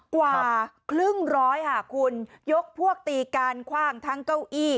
กว่าครึ่งร้อยค่ะคุณยกพวกตีการคว่างทั้งเก้าอี้